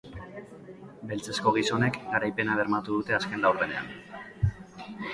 Beltzezko gizonek garaipena bermatu dute azken laurdenean.